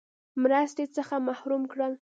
مرستې څخه محروم کړل.